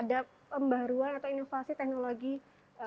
ada pembaruan atau inovasi teknologi di gudang ini pak